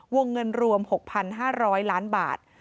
วงเงินรวม๖๕๐๐ล้านบาท